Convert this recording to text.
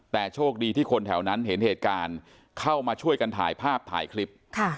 แต่โชคดีที่คนแถวนั้นเห็นเหตุการณ์เข้ามาช่วยกันถ่ายภาพถ่ายคลิป